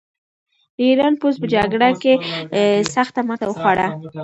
د ایران پوځ په جګړه کې سخته ماته وخوړه.